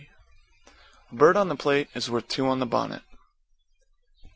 F A bird on the plate is worth two on the bonnet.